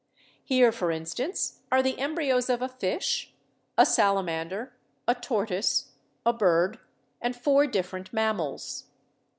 Here, for instance, are the embryos of a fish, a salamander, a tortoise, a bird, and four different mam mals.